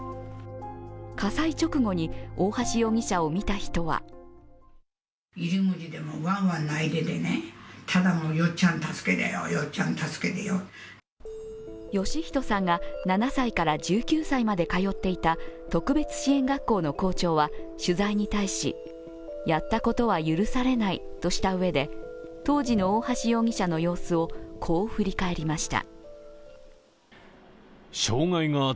火災直後に大橋容疑者を見た人は取材に対し、やったことは許されないとしたうえで当時の大橋容疑者の様子をこう振り返りました。